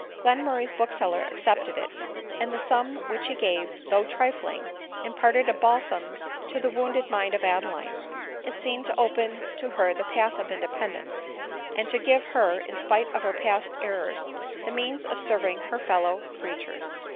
Glen murray's bookseller accepted it ; and the sum which he gave, though trifling, imparted a balsam to the wounded mind of Adeline ; it seemed to open to her the path of independence ; and to give her, in spite of her past er rors, the means of serving her fellow creatures.